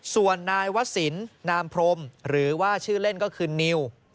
ส่วนนายวศิลปนามพรมหรือว่าชื่อเล่นก็คือนิว